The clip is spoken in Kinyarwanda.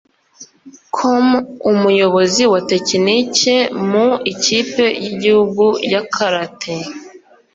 com Umuyobozi wa Tekiniki mu ikipe y’igihugu ya Karate